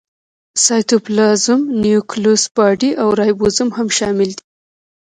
سایټوپلازم، نیوکلیوس باډي او رایبوزوم هم شامل دي.